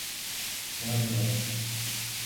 کیا ہوا؟